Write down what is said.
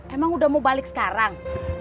emang udah mau balik sekarang